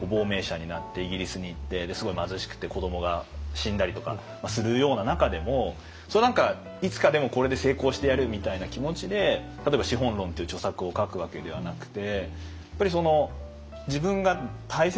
すごい貧しくて子どもが死んだりとかするような中でも何かいつかでもこれで成功してやるみたいな気持ちで例えば「資本論」という著作を書くわけではなくて。